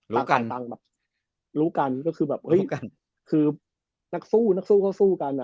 รู้กันแบบรู้กันก็คือแบบฮึคือนักสู้นักสู้ก็สู้กันอ่ะ